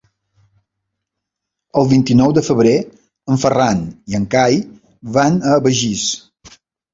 El vint-i-nou de febrer en Ferran i en Cai van a Begís.